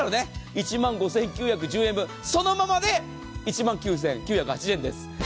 １万５９１０円分、そのままで１万９９８０円です。